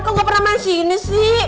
aku gak pernah main sini sih